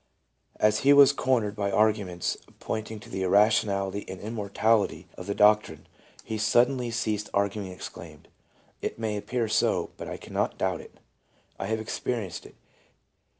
As he was cornered by argu ments pointing to the irrationality and immorality of the 348 LEUBA : doctrine, he suddenly ceased arguing and exclaimed: "It may appear so, but I cannot doubt it ;/ have experienced »7."